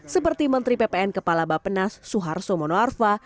seperti menteri ppn kepala bapenas suharto monoarfa